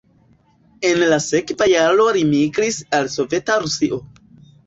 En la sekva jaro li migris al Soveta Rusio.